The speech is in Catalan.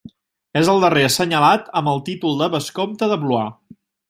És el darrer assenyalat amb el títol de vescomte de Blois.